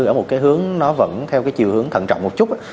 ở một cái hướng nó vẫn theo cái chiều hướng thận trọng một chút